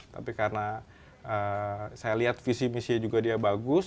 tapi karena saya lihat visi misinya juga dia bagus